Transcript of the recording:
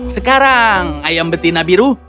sekarang ayam betina biru